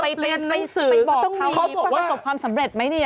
เป็นเรียนเรื่องสื่อก็ต้องมี